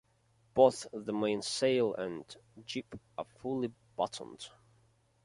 Both the mainsail and jib are fully battened.